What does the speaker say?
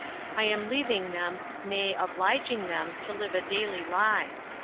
I am leaving them, nay, obliging them, to live a daily lie.